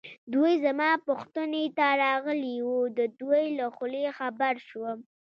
دوی زما پوښتنې ته راغلي وو، د دوی له خولې خبر شوم.